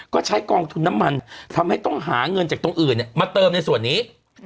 ก็ใช้กองทุนน้ำมันทำให้ต้องหาเงินจากตรงอื่นมาเติมในส่วนนี้